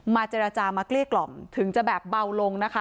มาเจรจามาก๑๙๕๖ถึงแบบเบาร่ม